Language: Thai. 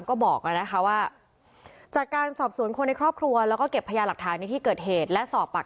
เสมอพี่สามารถเดี๋ยวทำก็บอกแล้วนะคะว่าจากการสอบสวนคนในครอบครัวแล้วก็เก็บพยาหลักฐานซีที่เกิดเหตุและสอบปรักษณ์